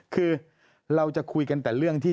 คือเราจะคุยกันแต่เรื่องที่